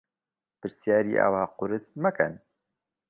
پرسیاری ئاوا قورس مەکەن.